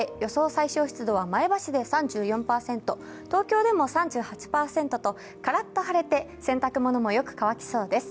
最小湿度は前橋で３４％、東京でも３８％とカラッと晴れて洗濯物もよく乾きそうです。